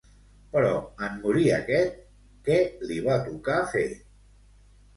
Però en morir aquest, què li va tocar fer?